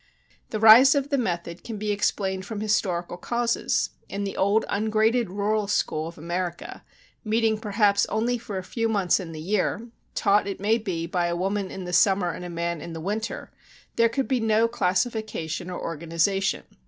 "The rise of the method can be explained from historical causes; in the old ungraded rural school of America, meeting perhaps only for a few months in the year, taught, it may be, by a woman in the summer, and a man in the winter, there could be no classification or organization.